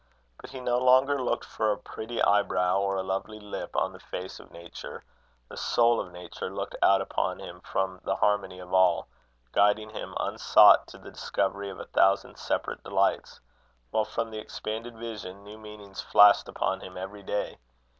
But he no longer looked for a pretty eyebrow or a lovely lip on the face of nature: the soul of nature looked out upon him from the harmony of all, guiding him unsought to the discovery of a thousand separate delights; while from the expanded vision new meanings flashed upon him every day.